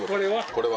これは。